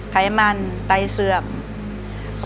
ไพมันไตเสือก